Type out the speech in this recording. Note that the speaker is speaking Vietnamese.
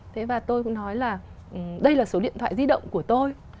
thế và tôi cũng nói là đây là số điện thoại di động của tôi